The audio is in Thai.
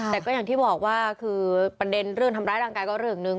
แต่ก็อย่างที่บอกว่าคือประเด็นเรื่องทำร้ายร่างกายก็เรื่องหนึ่ง